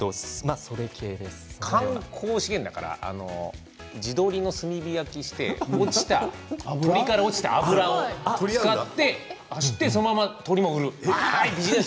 観光資源だから地鶏の炭火焼きをして鶏から落ちた脂を使ってそのまま鶏も売る。